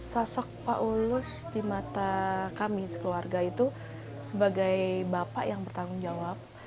sosok pak ulus di mata kami sekeluarga itu sebagai bapak yang bertanggung jawab